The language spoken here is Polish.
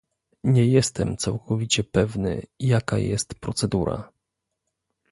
Nie jestem całkowicie pewny, jaka jest procedura